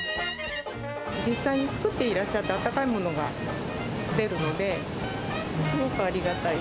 実際に作っていらっしゃって、あったかいものが出るので、すごくありがたい。